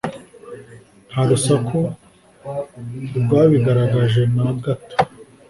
Nta rusaku rwabigaragaje na gato